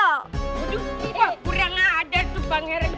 wah kurang ada tuh pangeran jin